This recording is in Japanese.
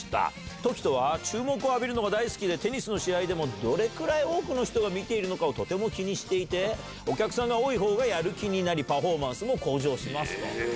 凱人は、注目を浴びるのが大好きで、テニスの試合でも、どれくらい多くの人が見ているのかをとても気にしていて、お客さんが多いほうがやる気になり、パフォーマンスも向上しますと。